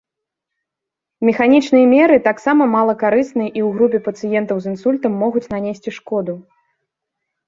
Механічныя меры таксама малакарысны і ў групе пацыентаў з інсультам могуць нанесці шкоду.